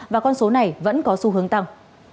và con số này vẫn có xu hướng tăng